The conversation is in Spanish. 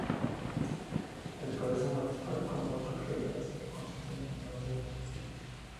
El Palacio Municipal con un justo equilibrio hace contraste en otra de sus esquinas.